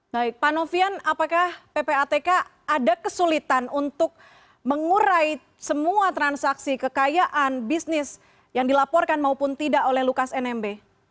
baik pak novian apakah ppatk ada kesulitan untuk mengurai semua transaksi kekayaan bisnis yang dilaporkan maupun tidak oleh lukas nmb